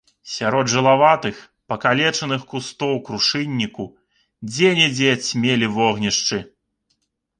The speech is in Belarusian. Сярод жылаватых пакалечаных кустоў крушынніку дзе-нідзе цьмелі вогнішчы.